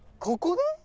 ここで？